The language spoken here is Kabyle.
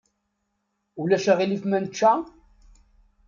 Ulac aɣilif ma nečča?